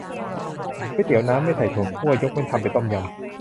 ก๋วยเตี๋ยวน้ำ ไม่ใส่ถั่วคั่ว ยกเว้นทำเป็นต้มยำ